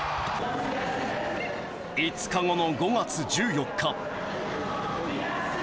５日後の５月１４日。